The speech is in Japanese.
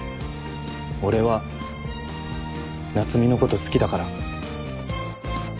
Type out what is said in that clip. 俺は夏海のこと好きだから。